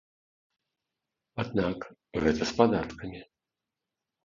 Аднак гэта з падаткамі.